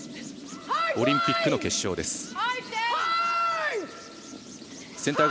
オリンピックの決勝です。